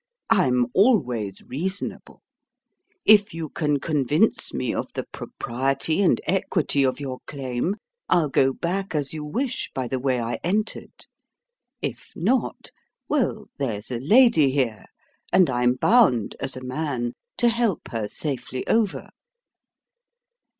I'm always reasonable: if you can convince me of the propriety and equity of your claim, I'll go back as you wish by the way I entered. If not well, there's a lady here, and I'm bound, as a man, to help her safely over."